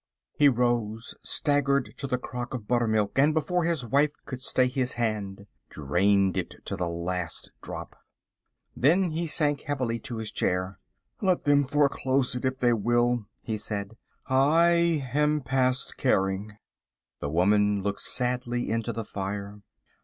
He rose, staggered to the crock of buttermilk, and before his wife could stay his hand, drained it to the last drop. Then he sank heavily to his chair. "Let them foreclose it, if they will," he said; "I am past caring." The woman looked sadly into the fire.